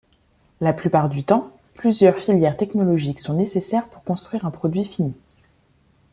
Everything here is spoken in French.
La plupart du temps, plusieurs filières technologiques sont nécessaires pour construire un produit fini.